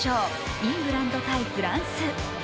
イングランド×フランス。